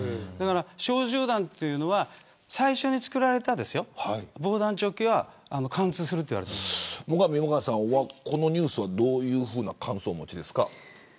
小銃弾は最初に作られた防弾チョッキは最上さんは、このニュースはどういうふうな感想をお持ちですか。